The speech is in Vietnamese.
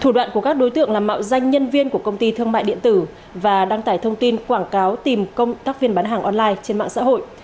thủ đoạn của các đối tượng là mạo danh nhân viên của công ty thương mại điện tử và đăng tải thông tin quảng cáo tìm công tác viên bán hàng online trên mạng xã hội